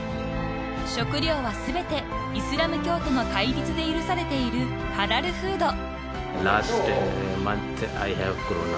［食料は全てイスラム教徒の戒律で許されているハラルフード］